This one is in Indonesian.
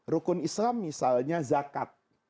rukun islam misalnya zakat